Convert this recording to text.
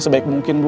sebaik mungkin bu